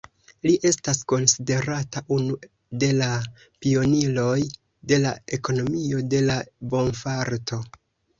Li estas konsiderata unu de la pioniroj de la ekonomio de la bonfarto.